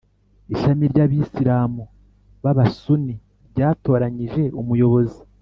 ishami ry’abisilamu b’abasuni ryatoranyije umuyobozi